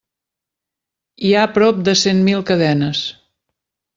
Hi ha prop de cent mil cadenes.